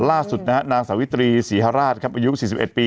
ล่าสุดนะฮะนางสวิตรีศรีฮราชครับอายุสี่สิบเอ็ดปี